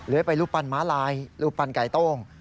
ไปรูปปั้นม้าลายรูปปั้นไก่โต้ง